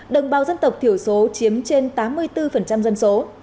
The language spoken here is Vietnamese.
đồng bào dân tộc thiểu số chiếm trên tám mươi bốn dân số